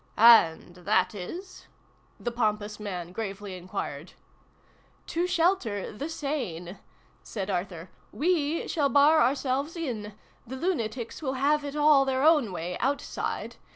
" And that is ?" the pompous man gravely enquired. " To shelter the sane /" said Arthur. " We shall bar ourselves in. The lunatics will have it all their own way, outside.